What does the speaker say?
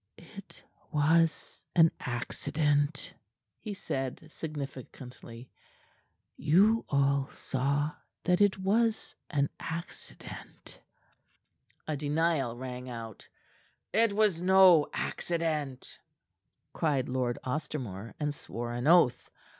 "It was an accident," he said significantly. "You all saw that it was an accident." A denial rang out. "It was no accident!" cried Lord Ostermore, and swore an oath.